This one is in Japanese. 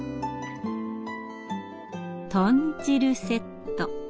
豚汁セット。